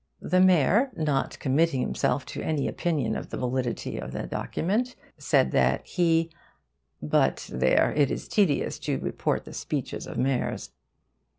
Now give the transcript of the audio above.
The mayor, not committing himself to any opinion of the validity of the document, said that he but there, it is tedious to report the speeches of mayors.